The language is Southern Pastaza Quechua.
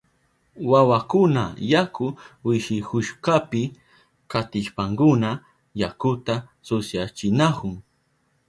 Wawakuna yaku wishihushkapi kantishpankuna yakuta susyachinahun.